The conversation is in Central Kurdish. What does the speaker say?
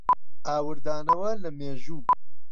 ئاوردانەوە لە مێژوو